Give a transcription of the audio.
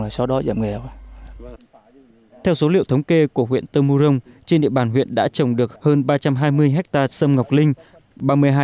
theo số liệu thống kê của huyện tơ mưu rông trên địa bàn huyện đã trồng được hơn ba trăm hai mươi hectare xâm ngọc linh